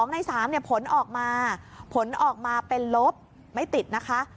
ใน๓ผลออกมาผลออกมาเป็นลบไม่ติดนะคะ